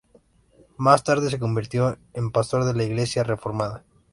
Más tarde se convirtió en pastor de la Iglesia reformada.